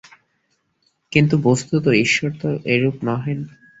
কিন্তু বস্তুত ঈশ্বর তো এরূপ নহেন।